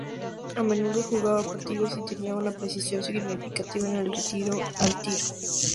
A menudo jugaba partidos y tenía una precisión significativa en el tiro al tiro.